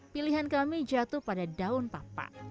pilihan kami jatuh pada daun papa